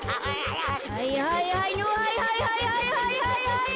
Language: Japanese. はいはいはいのはいはいはいはい。